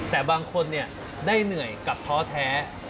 แต่บางคนได้เหนื่อยกับท้อแท้